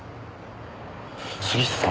杉下さん